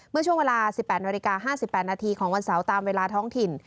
เมื่อช่วงเวลา๑๘นาฬิกา๕๘นาทีของวันเสาร์ตามเวลาท้องถิ่น